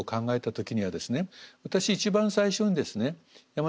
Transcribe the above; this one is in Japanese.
私一番最初にですね大和